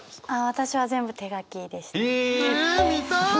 私は全部手書きでした。